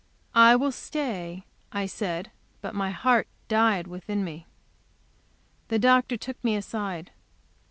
"I will stay," I said. But my heart died within me. The doctor took me aside.